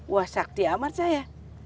wah sakti amat saya